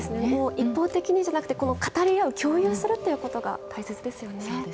もう一方的にじゃなくて、語り合う、共有するということが大